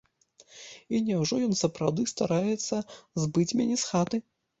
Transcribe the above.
І няўжо ён сапраўды стараецца збыць мяне з хаты!